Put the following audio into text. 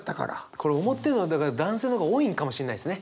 これ思ってるのはだから男性の方が多いんかもしんないですね。